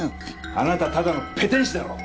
あなたはただのペテン師だろ！